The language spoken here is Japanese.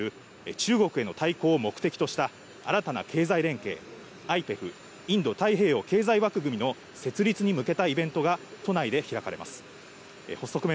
そして今日午後には今回、バイデン大統領が目玉に据える中国への対抗を目的とした新たな経済連携、ＩＰＥＦ＝インド太平洋経済枠組みの設立に向けたイベントが都内で開かれます。